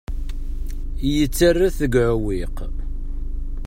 Yettarra-t deg uɛewwiq.